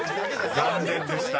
［残念でした］